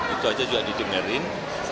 itu aja juga didimerin